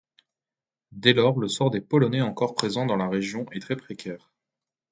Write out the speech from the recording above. Dès lors le sort des Polonais encore présents dans la région est très précaire.